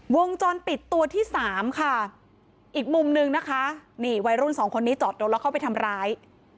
วงจรปิดตัวที่สามค่ะอีกมุมนึงนะคะนี่วัยรุ่นสองคนนี้จอดรถแล้วเข้าไปทำร้าย